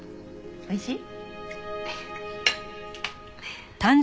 おいしい？